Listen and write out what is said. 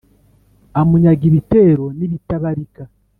amunyaga ibitero n’ibitabarika